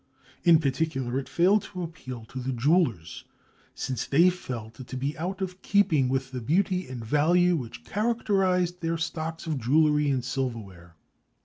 In particular it failed to appeal to the jewelers, since they felt it to be out of keeping with the beauty and value which characterized their stocks of jewelry and silverware.